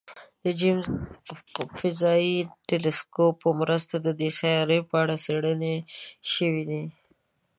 د جیمز فضايي ټیلسکوپ په مرسته د دې سیارې په اړه څېړنې شوي دي.